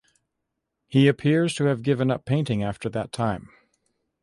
He appears to have given up painting after that time.